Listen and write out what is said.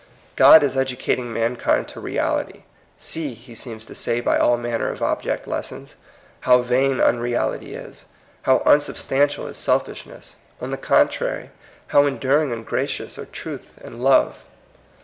God is educating mankind to reality. "See/' he seems to say by all manner of object lessons, "how vain unreality is, how un substantial is selfishness; on the contrary, how enduring and gracious are truth and love."